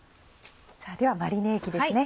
ではマリネ液ですね。